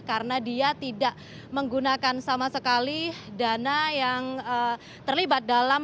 karena dia tidak menggunakan sama sekali dana yang terlibat dalam